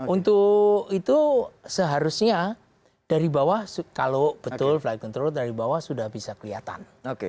untuk itu seharusnya dari bawah kalau betul flight control dari bawah sudah bisa kelihatan